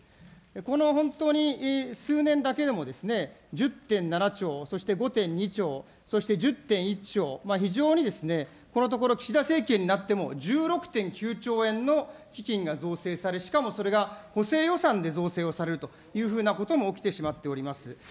この、本当に数年だけでも１０．７兆、そして５．２兆、そして１０．１兆、非常にこのところ、岸田政権になっても、１６．９兆円の基金が造成され、しかもそれが補正予算でをされることが起きてしまっております。